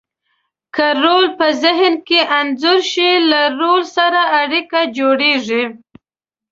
که رول په ذهن کې انځور شي، له رول سره اړیکه جوړیږي.